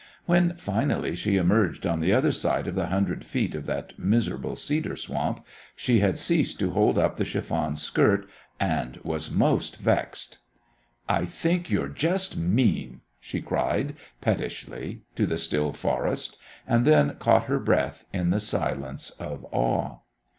When finally she emerged on the other side of the hundred feet of that miserable cedar swamp, she had ceased to hold up the chiffon skirt, and was most vexed. "I think you're just mean!" she cried, pettishly, to the still forest; and then caught her breath in the silence of awe.